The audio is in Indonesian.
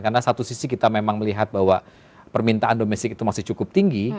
karena satu sisi kita memang melihat bahwa permintaan domestik itu masih cukup tinggi